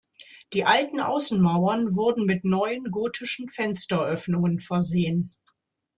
Die alten Außenmauern wurden mit neuen, gotischen, Fensteröffnungen versehen.